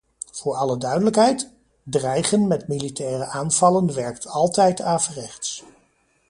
Voor alle duidelijkheid: dreigen met militaire aanvallen werkt altijd averechts.